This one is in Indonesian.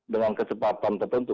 dengan kesempatan tertentu